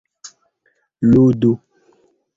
ludu